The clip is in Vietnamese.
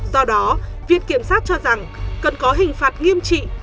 do đó viện kiểm sát cho rằng cần có hình phạt nghiêm trị